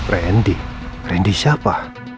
randy randy siapa